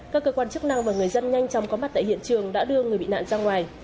các cơ quan chức năng và người dân nhanh chóng có mặt tại hiện trường đã đưa người bị nạn ra ngoài